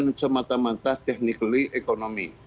bukan semata mata technically ekonomi